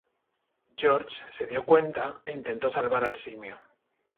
George se dio cuenta e intentó salvar al simio.